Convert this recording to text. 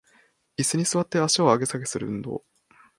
イスに座って足を上げ下げする運動